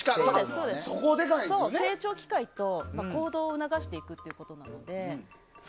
成長機会と行動を促していくということなので。